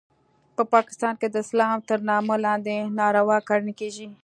په پاکستان کې د اسلام تر نامه لاندې ناروا کړنې کیږي